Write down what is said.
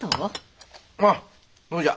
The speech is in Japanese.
ああそうじゃ。